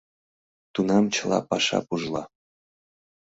Тунам чыла паша пужла.